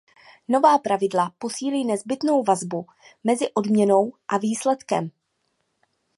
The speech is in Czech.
Nová pravidla posílí nezbytnou vazbu mezi odměnou a výsledkem.